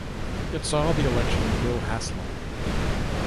It saw the election of Bill Haslam.